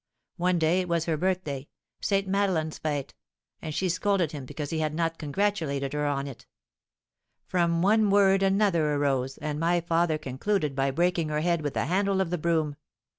One day, it was her birthday, Sainte Madeleine's fête, and she scolded him because he had not congratulated her on it. From one word another arose, and my father concluded by breaking her head with the handle of the broom.